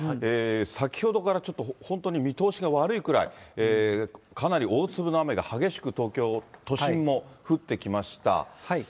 先ほどからちょっと本当に見通しが悪いくらい、かなり大粒の雨が激しく東京都心も降ってきました。